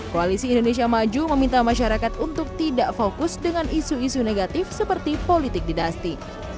koalisi indonesia maju meminta masyarakat untuk tidak fokus dengan isu isu negatif seperti politik dinasti